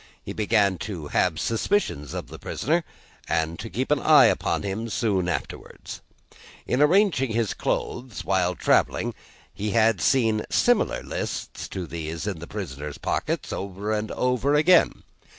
He began to have suspicions of the prisoner, and to keep an eye upon him, soon afterwards. In arranging his clothes, while travelling, he had seen similar lists to these in the prisoner's pockets, over and over again.